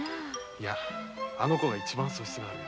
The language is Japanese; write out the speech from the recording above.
いやあの子が一番素質があるよ。